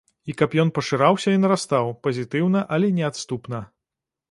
І каб ён пашыраўся і нарастаў, пазітыўна, але неадступна.